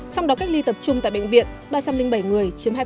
trong đó cách ly tập trung tại bệnh viện ba trăm linh bảy người chiếm hai